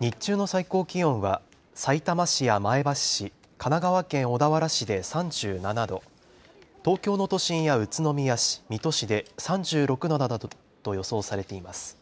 日中の最高気温はさいたま市や前橋市、神奈川県小田原市で３７度、東京の都心や宇都宮市、水戸市で３６度などと予想されています。